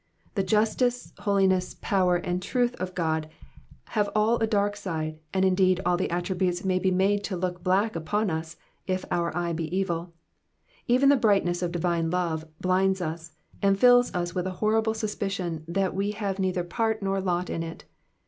The justice, holiness, power, and truth of God have all a dark side, and indeed all the attributes may be made to look black upon us if our eye be evil ; even the brightness of divine love blinds us, and tills us with a horrible suspicion that we have neither part nor lot in it.